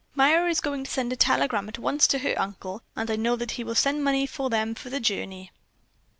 Myra is going to send a telegram at once to her uncle, and I know that he will send money to them for the journey."